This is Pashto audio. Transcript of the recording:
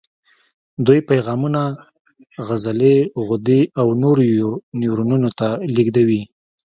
دوی پیغامونه عضلې، غدې او نورو نیورونونو ته لېږدوي.